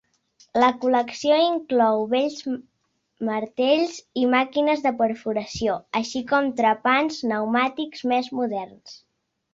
La col·lecció inclou vells martells i màquines de perforació, així com trepants pneumàtics més moderns.